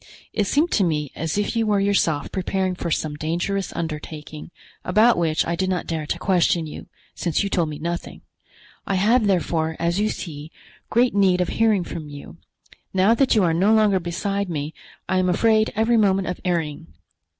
It seemed to me as if you were yourself preparing for some dangerous undertaking, about which I did not dare to question you, since you told me nothing. I have, therefore, as you see, great need of hearing from you. Now that you are no longer beside me I am afraid every moment of erring.